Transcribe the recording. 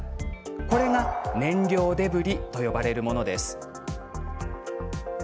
これが、燃料デブリと呼ばれるものです。